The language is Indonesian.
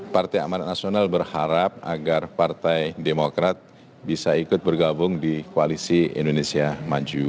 partai amanat nasional berharap agar partai demokrat bisa ikut bergabung di koalisi indonesia maju